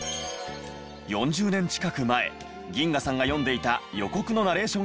４０年近く前銀河さんが読んでいた予告のナレーション